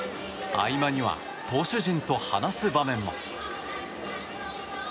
合間には投手陣と話す場面も。